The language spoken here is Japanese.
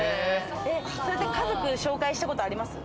それで家族紹介したことあります？